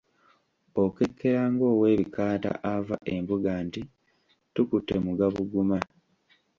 Okekkera ng’oweebikaata ava embuga nti, tukutte mu gabuguma.